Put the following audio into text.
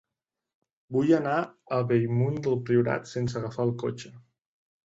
Vull anar a Bellmunt del Priorat sense agafar el cotxe.